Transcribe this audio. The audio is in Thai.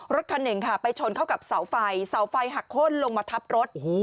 รถคันหนึ่งค่ะไปชนเข้ากับเสาไฟเสาไฟหักโค้นลงมาทับรถ